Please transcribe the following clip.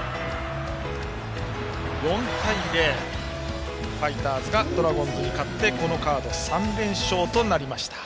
４対０とファイターズがドラゴンズに勝ってこのカード３連勝となりました。